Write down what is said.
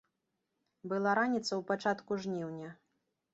Была раніца ў пачатку жніўня.